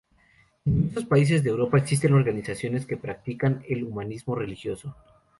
En diversos países de Europa existen organizaciones que practican el humanismo religioso.